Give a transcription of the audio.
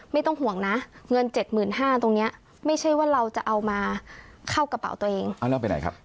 ไม่ต้องห่วงนะเงินเจ็ดหมื่นห้าตรงเนี้ยไม่ใช่ว่าเราจะเอามาเข้ากระเป๋าตัวเองเอาแล้วไปไหนครับ